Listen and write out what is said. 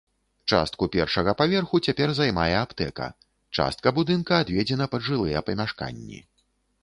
Частку першага паверху цяпер займае аптэка, частка будынка адведзена пад жылыя памяшканні.